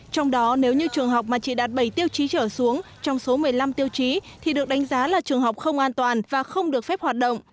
trong đó nếu như trường học mà chỉ đạt bảy tiêu chí trở xuống trong số một mươi năm tiêu chí thì được đánh giá là trường học không an toàn và không được phép hoạt động